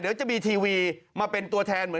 เดี๋ยวจะมีทีวีมาเป็นตัวแทนเหมือน